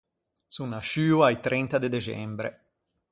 Son nasciuo a-i trenta de dexembre.